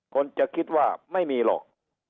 คนจะคิดว่าไม่มีหรอก